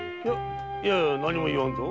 いや何も言わんぞ。